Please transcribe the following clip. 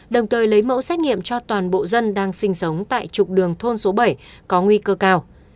đồng thời lấy mẫu xét nghiệm cho toàn bộ dân đang sinh sống tại trục đường thôn số bảy có nguy cơ cao